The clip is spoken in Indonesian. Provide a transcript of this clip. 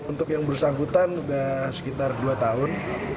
untuk yang bersangkutan sudah sekitar dua tahun